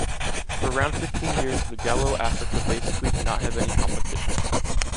For around fifteen years the “Galo Africa” basically did not have any competition.